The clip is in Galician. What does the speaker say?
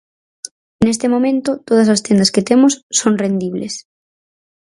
Neste momento todas as tendas que temos son rendibles.